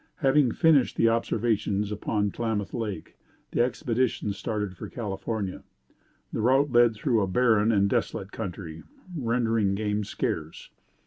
Having finished the observations upon Tlamath Lake, the expedition started for California. The route led through a barren and desolate country, rendering game scarce.